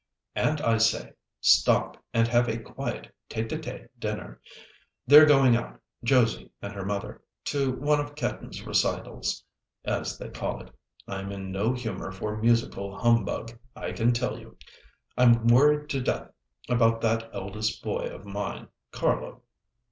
And, I say, stop and have a quiet tête à tête dinner. They're going out—Josie and her mother—to one of Ketten's recitals, as they call it. I'm in no humour for musical humbug, I can tell you. I'm worried to death about that eldest boy of mine, Carlo.